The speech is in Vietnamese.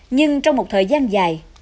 nhưng trong một thời gian dài